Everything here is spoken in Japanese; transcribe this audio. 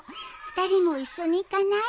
２人も一緒に行かない？